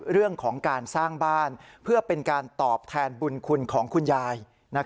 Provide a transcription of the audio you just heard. เรื่องของการสร้างบ้านเพื่อเป็นการตอบแทนบุญคุณของคุณยาย